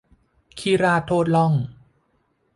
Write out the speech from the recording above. ขี้ราดโทษล่อง